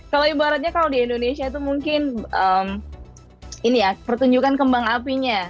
kalau ibaratnya kalau di indonesia itu mungkin ini ya pertunjukan kembang apinya